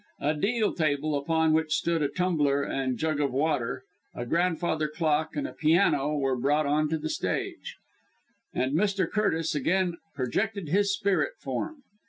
A deal table (upon which stood a tumbler and jug of water), a grandfather clock, and a piano were brought on to the stage, and Mr. Curtis once again projected his spirit form.